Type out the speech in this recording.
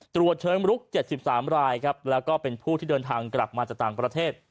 ตรวจเชิงลุก๗๓รายครับแล้วก็เป็นผู้ที่เดินทางกลับมาจากต่างประเทศ